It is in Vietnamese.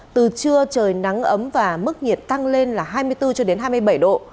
từ trưa trời nắng ấm và mức nhiệt tăng lên là hai mươi bốn cho đến hai mươi bảy độ